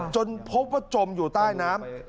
จนพบว่าจมอยู่ใต้น้ำ